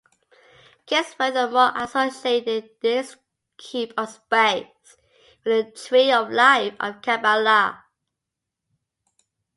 Case furthermore associated this 'Cube of Space' with the 'Tree of Life' of Kabbala.